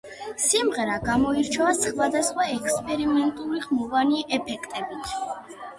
სიმღერა გამოირჩევა სხვადასხვა ექსპერიმენტული ხმოვანი ეფექტით.